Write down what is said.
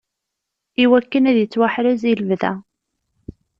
Iwakken ad yettwaḥrez i lebda.